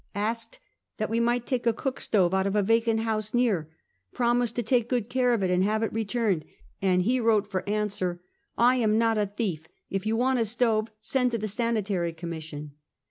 Asked that we might take a cook stove out of a vacant house near; promised to take good care of it and have it returned; and he wrote, for answer: " I am not a thief ! If you want a stove send to the Sanitary Commission